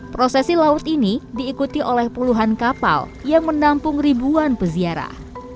prosesi laut ini diikuti oleh puluhan kapal yang menampung ribuan peziarah